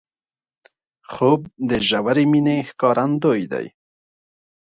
خوب د ژورې مینې ښکارندوی دی